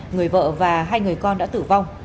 người vợ và hai người con đã tử vong